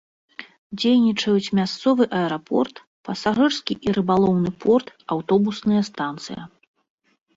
Дзейнічаюць мясцовы аэрапорт, пасажырскі і рыбалоўны порт, аўтобусная станцыя.